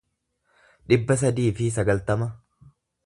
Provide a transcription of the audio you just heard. dhibba sadii fi sagaltama